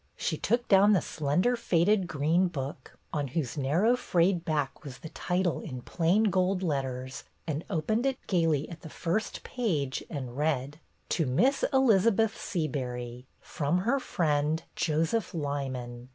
" She took down the slender, faded green book, on whose narrow frayed back was the title in plain gold letters, and opened it gayly at the first page, and read: "'To Miss Elizabeth Seabury, from her Friend, Joseph Lyman.